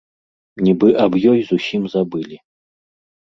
Нібы аб ёй зусім забылі.